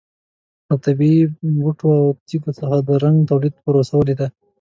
د طبیعي بوټو او تېږو څخه د رنګ تولید پروسه ولیدله.